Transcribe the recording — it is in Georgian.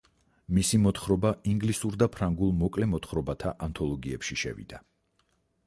მისი მოთხრობა ინგლისურ და ფრანგულ მოკლე მოთხრობათა ანთოლოგიებში შევიდა.